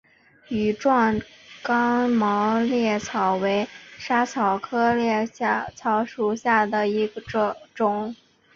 羽状刚毛藨草为莎草科藨草属下的一个种。